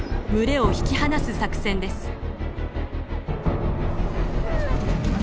群れを引き離す作戦です。